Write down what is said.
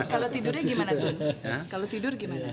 kalau tidurnya gimana tun